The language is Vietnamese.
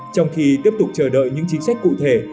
trong khi tiếp tục chờ đợi những chính sách cụ thể